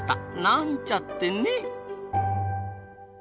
なんちゃってね。